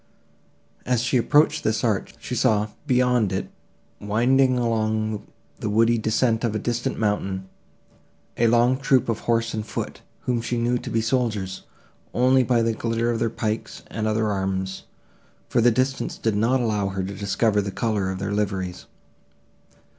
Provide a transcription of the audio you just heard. As she approached this arch, she saw, beyond it, winding along the woody descent of a distant mountain, a long troop of horse and foot, whom she knew to be soldiers, only by the glitter of their pikes and other arms, for the distance did not allow her to discover the colour of their liveries.